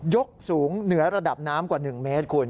ยกสูงเหนือระดับน้ำกว่า๑เมตรคุณ